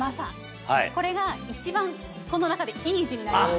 これが一番この中でいい字になりました。